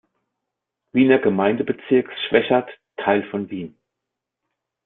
Wiener Gemeindebezirks Schwechat Teil von Wien.